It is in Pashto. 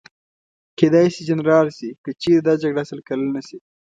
کېدای شي جنرال شي، که چېرې دا جګړه سل کلنه شي.